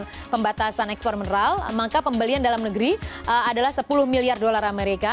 dengan pembatasan ekspor mineral maka pembelian dalam negeri adalah sepuluh miliar dolar amerika